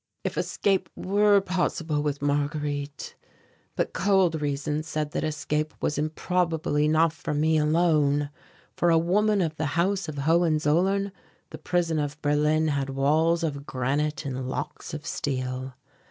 If escape were possible with Marguerite ! But cold reason said that escape was improbable enough for me alone. For a woman of the House of Hohenzollern the prison of Berlin had walls of granite and locks of steel.